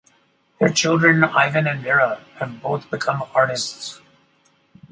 Their children, Ivan and Vera, have both become artists.